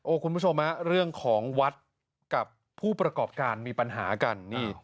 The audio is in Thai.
คุณผู้ชมฮะเรื่องของวัดกับผู้ประกอบการมีปัญหากันนี่